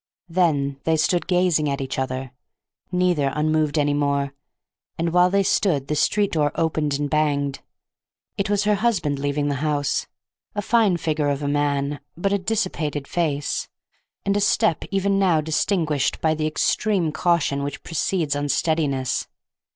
Then they stood gazing at each other, neither unmoved any more, and while they stood the street door opened and banged. It was her husband leaving the house, a fine figure of a man, but a dissipated face, and a step even now distinguished by the extreme caution which precedes unsteadiness.